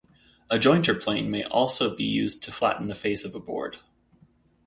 A jointer plane may also be used to flatten the face of a board.